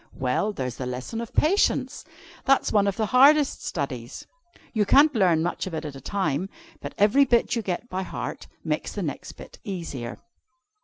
"Well, there's the lesson of Patience. That's one of the hardest studies. You can't learn much of it at a time, but every bit you get by heart, makes the next bit easier.